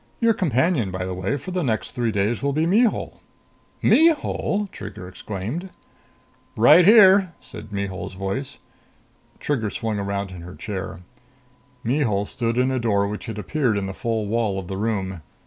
Your companion, by the way, for the next three days will be Mihul." "Mihul!" Trigger exclaimed. "Right there," said Mihul's voice. Trigger swung around in her chair. Mihul stood in a door which had appeared in the full wall of the room.